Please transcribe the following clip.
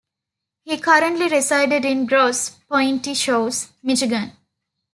He currently resides in Grosse Pointe Shores, Michigan.